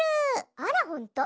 あらほんと。